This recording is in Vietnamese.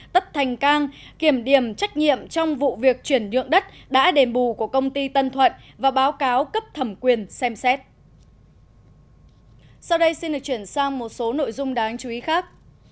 tất thành cang kiểm điểm trách nhiệm trong vụ việc chuyển nhượng đất đã đền bù của công ty tân thuận và báo cáo cấp thẩm quyền xem xét